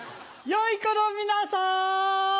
よい子の皆さん。